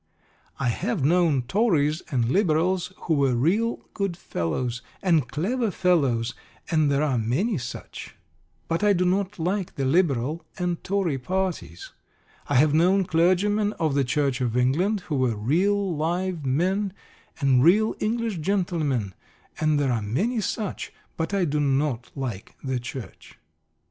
I have known Tories and Liberals who were real good fellows, and clever fellows, and there are many such; but I do not like the Liberal and Tory parties. I have known clergymen of the Church of England who were real live men, and real English gentlemen, and there are many such; but I do not like the Church.